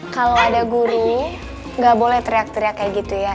kalo ada guru gak boleh teriak teriak kaya gitu ya